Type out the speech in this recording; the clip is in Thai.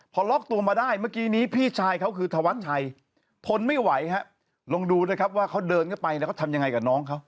พอล็อกตัวมาได้เมื่อกี้นี้พี่ชายเขาคือธวัดชัยทนไม่ไหวฮะลองดูนะครับว่าเขาเดินเข้าไปแล้วเขาทำยังไงกับน้องเขา